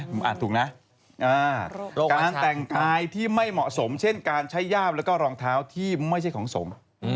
ร่องเท้าและรองเท้าที่ไม่ใช่ของสง